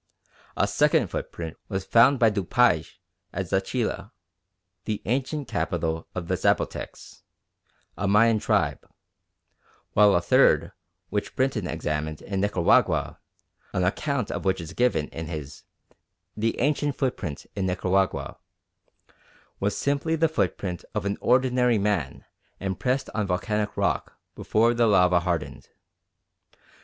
A second footprint was found by Dupaix at Zachilla, the ancient capital of the Zapotecs, a Mayan tribe; while a third which Brinton examined in Nicaragua, an account of which is given in his The Ancient Footprints in Nicaragua, was simply the footprint of an ordinary man impressed on volcanic rock before the lava hardened.